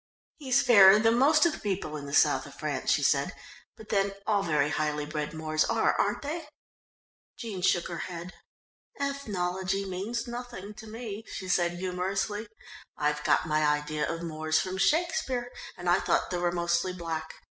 "He's fairer than most of the people in the south of France," she said, "but then all very highly bred Moors are, aren't they?" Jean shook her head. "Ethnology means nothing to me," she said humorously. "I've got my idea of Moors from Shakespeare, and I thought they were mostly black.